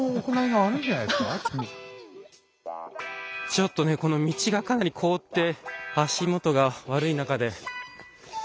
ちょっとねこの道がかなり凍って足元が悪い中で。